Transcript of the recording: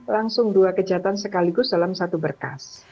langsung dua kejahatan sekaligus dalam satu berkas